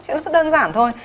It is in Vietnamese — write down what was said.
chuyện rất đơn giản thôi